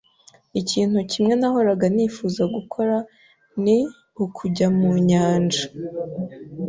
Ikintu kimwe nahoraga nifuza gukora ni ukujya mu nyanja.